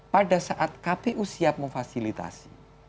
pada saat kpu siap memfasilitasi